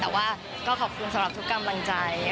แต่ว่าก็ขอบคุณสำหรับทุกกำลังใจ